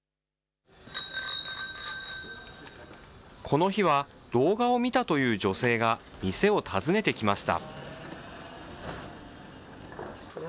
この日は動画を見たという女性が、店を訪ねてきました。